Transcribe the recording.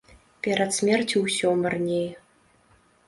Перад смерцю ўсё марнее.